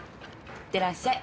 いってらっしゃい。